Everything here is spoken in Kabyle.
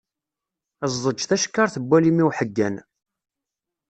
Ẓẓeǧǧ tacekkart n walim i uḥeggan.